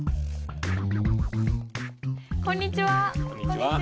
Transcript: こんにちは。